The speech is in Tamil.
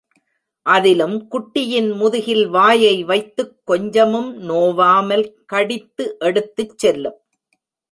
அதிலும் குட்டியின் முதுகில் வாயை வைத்துக் கொஞ்சமும் நோவாமல் கடித்து எடுத்துச் செல்லும்.